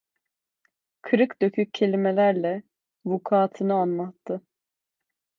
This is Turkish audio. Kırık dökük kelimelerle vukuatını anlattı.